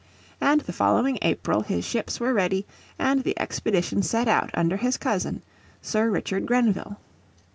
And the following April his ships, were ready and the expedition set out under his cousin, Sir Richard Grenville.